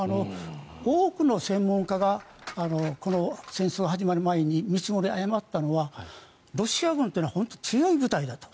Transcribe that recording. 多くの専門家がこの戦争が始まる前に見積もりを誤ったのはロシア軍というのは本当に強い部隊だと。